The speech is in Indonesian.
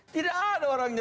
tidak ada orangnya